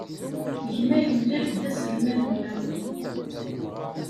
Gma yemlal-d aselmad-nneɣ.